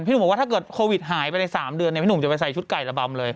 หนุ่มบอกว่าถ้าเกิดโควิดหายไปใน๓เดือนเนี่ยพี่หนุ่มจะไปใส่ชุดไก่ระบำเลย